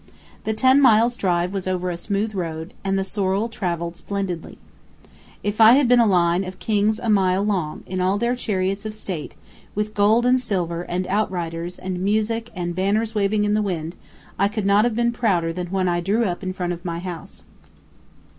The ten miles' drive was over a smooth road, and the sorrel traveled splendidly. If I had been a line of kings a mile long, all in their chariots of state, with gold and silver, and outriders, and music, and banners waving in the wind, I could not have been prouder than when I drew up in front of my house.